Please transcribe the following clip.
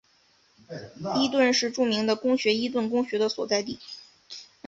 伊顿是著名的公学伊顿公学的所在地。